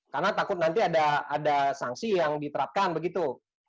karena takut nanti ada ada sanksi yang diterapkan begitu